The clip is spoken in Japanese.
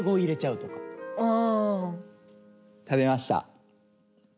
食べました。